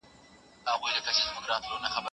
د نورو د زحمتونو ستاینه کول د ښو اخلاقو نښه ده.